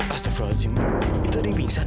astagfirullahaladzim itu ada pingsan